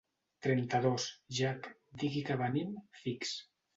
Trenta-dos «Jak, digui que venim, fix.